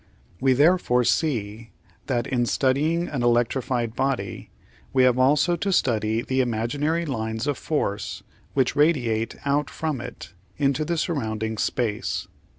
We therefore see that, in studying any electrified body, we have also to study the imaginary lines of force which radiate out from it into the surrounding space.